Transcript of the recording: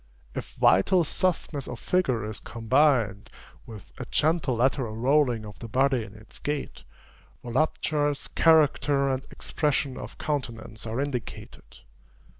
If vital softness of figure is combined, with a gentle lateral rolling of the body in its gait, voluptuous character and expression of countenance are indicated.